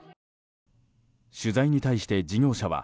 取材に対して事業者は